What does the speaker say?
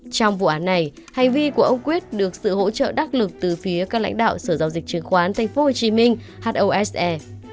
trong vụ án này hành vi của ông quyết được sự hỗ trợ đắc lực từ phía các lãnh đạo sở giao dịch chứng khoán tp hcm hose